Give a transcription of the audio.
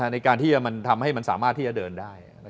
ในการที่มันทำให้มันสามารถที่จะเดินได้